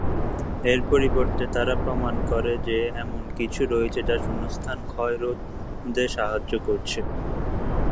এর পরিবর্তে তারা প্রমাণ করেন যে এমন কিছু রয়েছে যা শূন্যস্থান ক্ষয় রোধে সাহায্য করছে।